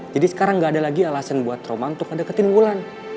jadi sekarang gak ada lagi alasan buat romantuk ngedeketin wulan